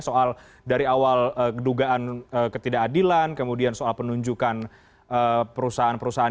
soal dari awal dugaan ketidakadilan kemudian soal penunjukan perusahaan perusahaan